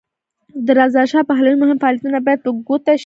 د رضاشاه پهلوي مهم فعالیتونه باید په ګوته شي.